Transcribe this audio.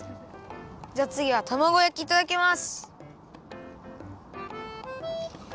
じゃあつぎはたまご焼きいただきます。